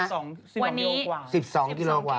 วันนี้๑๒กิโลกว่า